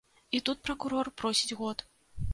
І тут пракурор просіць год.